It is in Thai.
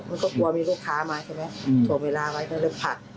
มันก็กลัวมีลูกค้ามาใช่ไหมถ่วงเวลาไว้ก็เลยผลัก